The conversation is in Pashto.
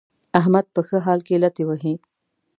احمد په ښه حال کې لتې وهي.